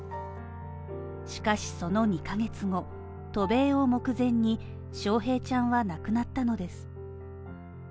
しかしその２ヶ月後渡米を目前に、翔平ちゃんは亡くなったのです。